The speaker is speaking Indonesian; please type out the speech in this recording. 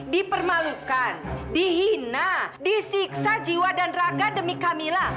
dipermalukan dihina disiksa jiwa dan raga demi kamila